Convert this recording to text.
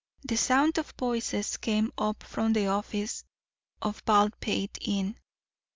The sound of voices came up from the office of Baldpate Inn.